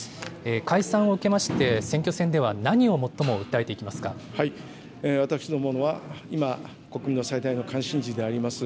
解散を受けまして、選挙戦で私どもは今、国民の最大の関心事であります